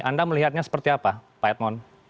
anda melihatnya seperti apa pak edmond